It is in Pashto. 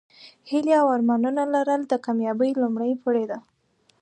هیلې او ارمانونه لرل د کامیابۍ لومړۍ پوړۍ ده.